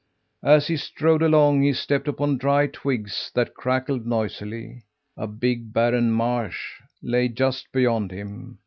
As he strode along he stepped upon dry twigs that crackled noisily. A big barren marsh lay just beyond him.